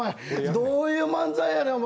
どういう漫才やねん、お前。